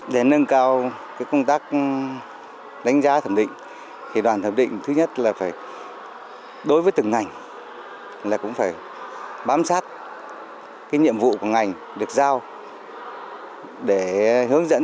để nâng cao công tác đánh giá thẩm định thì đoàn thẩm định thứ nhất là phải đối với từng ngành là cũng phải bám sát nhiệm vụ của ngành được giao để hướng dẫn